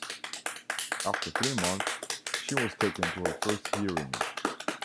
After three months, she was taken to her first hearing.